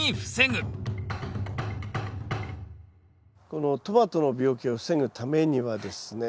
このトマトの病気を防ぐためにはですね。